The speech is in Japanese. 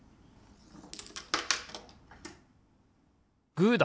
グーだ！